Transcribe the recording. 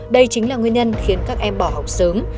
đây chính là nguyên nhân khiến các em bỏ học sớm